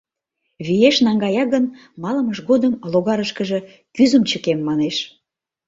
Виеш наҥгая гын, малымыж годым логарышкыже кӱзым чыкем, манеш.